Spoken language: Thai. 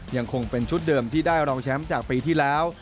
ยังคงเป็นชุดเดิมที่ได้รองแชมป์จากปีที่แล้ว